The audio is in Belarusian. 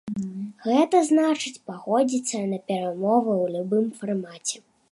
Гэта значыць пагодзіцца на перамовы ў любым фармаце.